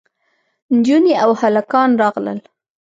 نجونې او هلکان راغلل.